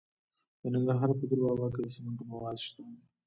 د ننګرهار په دور بابا کې د سمنټو مواد شته.